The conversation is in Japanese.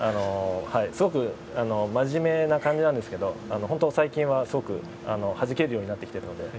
真面目な感じなんですけど最近はすごく、はじけるようになってきているので。